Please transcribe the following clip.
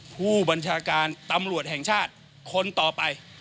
ผู้บัญชาการตำรวจแห่งชาติคนต่อไป